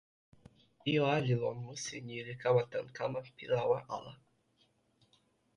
ijo ali lon musi ni li kama tan kama pi lawa ala.